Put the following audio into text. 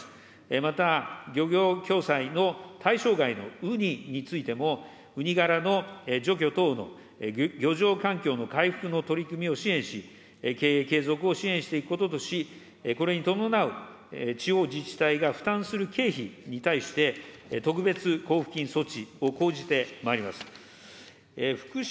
また、漁協共済の対象外のウニについても、ウニ殻の除去等の漁場環境の回復の取り組みを支援し、経営継続を支援していくこととし、これに伴う地方自治体が負担する経費に対して、特別交付金措置を講じてまいります。